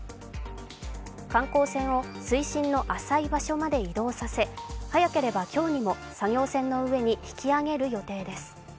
観光船を水深の浅い場所まで移動させ早ければ今日にも、作業船の上に引き揚げる予定です。